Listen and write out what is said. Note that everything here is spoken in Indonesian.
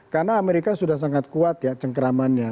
karena amerika sudah sangat kuat ya cengkeramannya